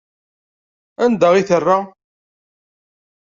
Anda i terra?